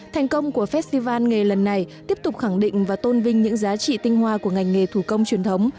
thành công của festival nghề lần này tiếp tục khẳng định và tôn vinh những giá trị tinh hoa của ngành nghề thủ công truyền thống